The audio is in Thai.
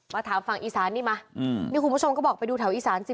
ถามฝั่งอีสานนี่ไหมนี่คุณผู้ชมก็บอกไปดูแถวอีสานสิ